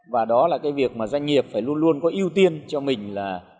và đó là cái việc mà doanh nghiệp phải luôn luôn có ưu tiên cho mình là